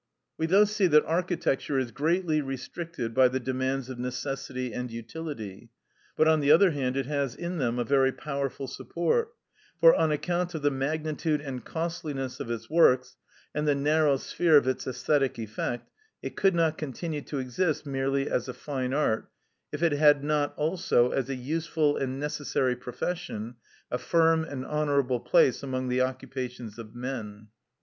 We thus see that architecture is greatly restricted by the demands of necessity and utility; but on the other hand it has in them a very powerful support, for, on account of the magnitude and costliness of its works, and the narrow sphere of its æsthetic effect, it could not continue to exist merely as a fine art, if it had not also, as a useful and necessary profession, a firm and honourable place among the occupations of men.